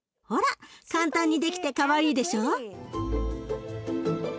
ほら簡単にできてかわいいでしょう。